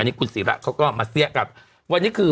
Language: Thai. นี่คุณศิระเขาก็มาเสี้ยกับวันนี้คือ